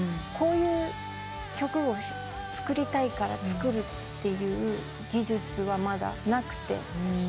こういう曲を作りたいから作るっていう技術はまだなくて。